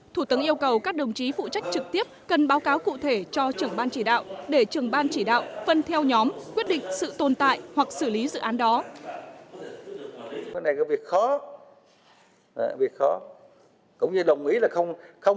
thủ tướng yêu cầu các đồng chí phụ trách trực tiếp cần báo cáo cụ thể cho trưởng ban chỉ đạo để trưởng ban chỉ đạo phân theo nhóm quyết định sự tồn tại hoặc xử lý dự án đó